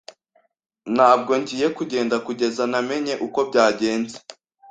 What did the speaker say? Ntabwo ngiye kugenda kugeza namenye uko byagenze.